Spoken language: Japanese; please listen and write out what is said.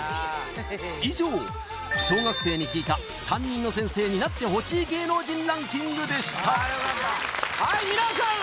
以上小学生に聞いた担任の先生になってほしい芸能人ランキングでしたはいみなさん